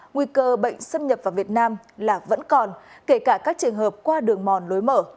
nguy cơ bệnh xâm nhập vào việt nam là vẫn còn kể cả các trường hợp qua đường mòn lối mở